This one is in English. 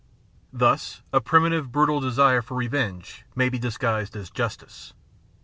Thus a primitive brutal desire for revenge may be disguised as justice.